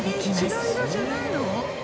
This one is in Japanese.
違う色じゃないの？